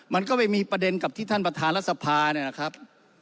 มันก็ไปมีประเด็นกับที่ท่านประธานรัฐสภาเนี่ยนะครับ